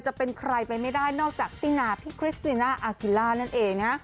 จะเป็นใครไปไม่ได้นอกจากตินาพี่คริสติน่าอากิล่านั่นเองนะ